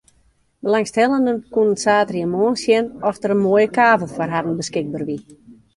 Belangstellenden koene saterdeitemoarn sjen oft der in moaie kavel foar har beskikber wie.